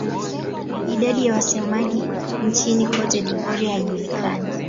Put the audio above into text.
Idadi ya wasemaji nchini Cote d'Ivoire haijulikani.